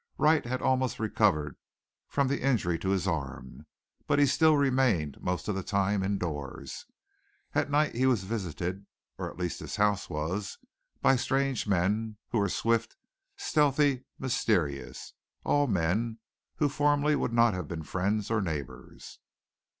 Wright had almost recovered from the injury to his arm, but he still remained most of the time indoors. At night he was visited, or at least his house was, by strange men who were swift, stealthy, mysterious all men who formerly would not have been friends or neighbors.